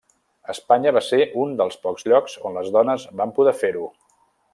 Espanya va ser un dels pocs llocs on les dones van poder fer-ho.